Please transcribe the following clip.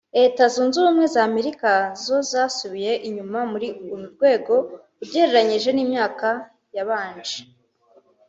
Leta Zunze Ubumwe za Amerika zo zasubiye inyuma muri uru rwego ugereranyije n’imyaka yabanje